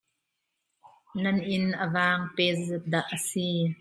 Nan inn a vang pe zeizat dah a si?